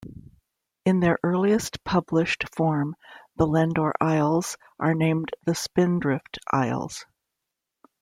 In their earliest published form the Lendore Isles are named the Spindrift Isles.